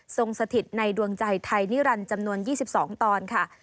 สถิตในดวงใจไทยนิรันดิ์จำนวน๒๒ตอนค่ะ